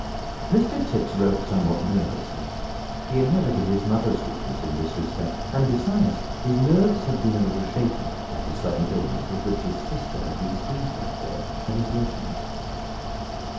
Mr Tipps wrote somewhat nervously. He inherited his mother's weakness in this respect; and, besides, his nerves had been a little shaken, by the sudden illness, with which his sister had been seized that day, at his lodgings.